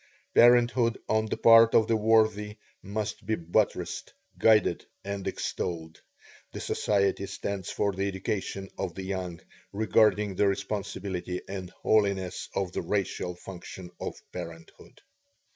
Parenthood on the part of the worthy must be buttressed, guided, and extolled. The Society stands for the education of the young regarding the responsibility and holiness of the racial function of parenthood."